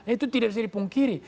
itu tidak bisa dipungkiri